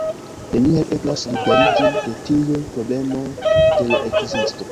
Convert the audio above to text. Neniel eblas liberiĝi de tiuj problemoj de la ekzisto.